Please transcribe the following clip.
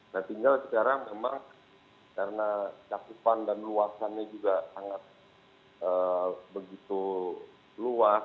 nah tinggal sekarang memang karena cakupan dan luasannya juga sangat begitu luas